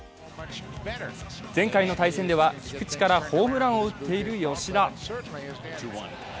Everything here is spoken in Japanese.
前回の対戦では菊池からホームランを打っている吉田。